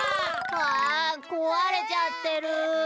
うわこわれちゃってる。